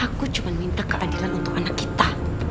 aku cuma minta keadilan untuk anak kita